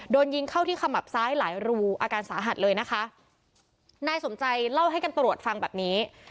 โดนยิงเข้าที่ขมับซ้ายหลายรูอาการสาหัสเลยนะคะนายสมใจเล่าให้กันตรวจฟังแบบนี้